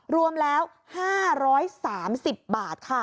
รวมแล้ว๕๓๐บาทค่ะ